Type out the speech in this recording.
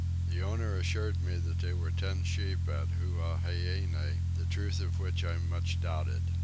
The owner assured me that there were ten sheep at Huaheine; the truth of which I much doubted.